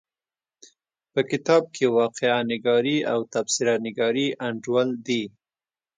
په کتاب کې واقعه نګاري او تبصره نګاري انډول دي.